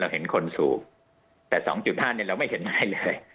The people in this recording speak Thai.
เราเห็นคนสูบแต่๒๕นิดนึงเราไม่เห็นอะไรเลย